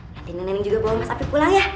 nanti nenek juga bawa mas afi pulang ya